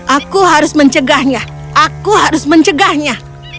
aku harus mencegahnya aku harus mencegahnya